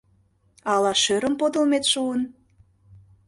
Ала шӧрым подылмет шуын?